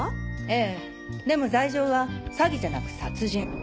ええでも罪状は詐欺じゃなく殺人。